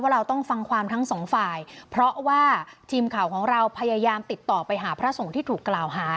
เราต้องฟังความทั้งสองฝ่ายเพราะว่าทีมข่าวของเราพยายามติดต่อไปหาพระสงฆ์ที่ถูกกล่าวหา